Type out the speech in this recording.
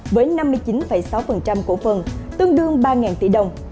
với năm mươi chín sáu cổ phần tương đương ba tỷ đồng